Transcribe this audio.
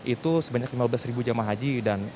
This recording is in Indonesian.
itu sebanyak lima belas ribu jemaah haji